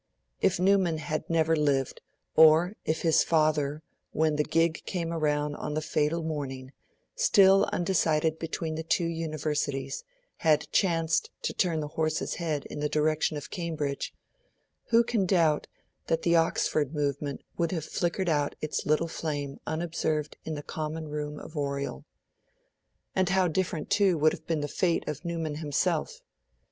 If Newman had never lived, or if his father, when the gig came round on the fatal morning, still undecided between the two Universities, had chanced to turn the horse's head in the direction of Cambridge, who can doubt that the Oxford Movement would have flickered out its little flame unobserved in the Common Room of Oriel? And how different, too, would have been the fate of Newman himself!